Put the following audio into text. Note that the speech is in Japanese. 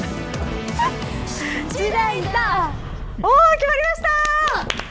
決まりました。